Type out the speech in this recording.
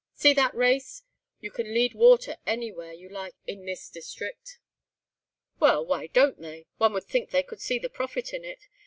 See that race? You can lead water anywhere you like in this district." "Well, why don't they? One would think they could see the profit in it.